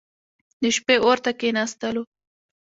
د شپې اور ته کښېنستلو.